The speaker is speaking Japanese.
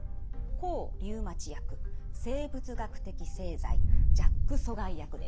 抗リウマチ薬生物学的製剤ＪＡＫ阻害薬です。